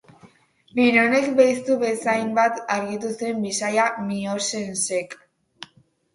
Bironek belztu bezainbat argitu zuen bisaia Miossensek.